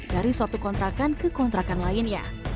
dari suatu kontrakan ke kontrakan lainnya